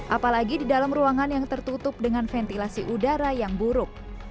apalagi di dalam ruangan yang tertutup dengan ventilasi udara yang buruk